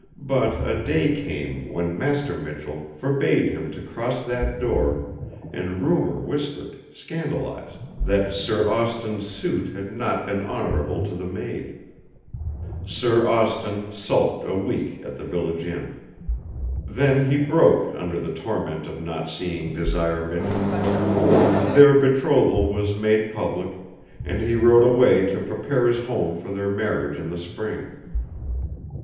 But a day came when Master Michell forbade him to cross that door and rumor whispered, scandalized, that Sir Austin's suit had not been honorable to the maid. Sir Austin sulked a week at the village inn. Then he broke under the torment of not seeing Desire Michell. Their betrothal was made public, and he rode away to prepare his home for their marriage in the spring.